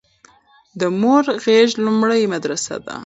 د مور غيږ لومړنۍ مدرسه ده